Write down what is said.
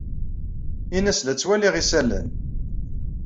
Ini-as la ttwaliɣ isalan.